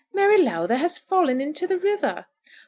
"Mary Lowther has fallen into the river."